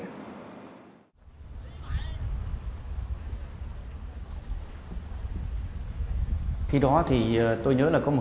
ngoài ban chuyên án gây tình hình đối tượng chấp nhận tìm hiểu giải quyết và chấp nhận